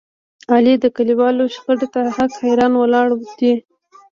علي د کلیوالو شخړې ته حق حیران ولاړ دی.